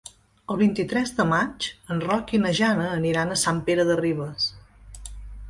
El vint-i-tres de maig en Roc i na Jana aniran a Sant Pere de Ribes.